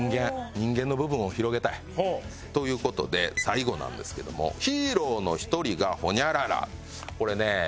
人間の部分を広げたい。という事で最後なんですけどもヒーローの１人がホニャララ。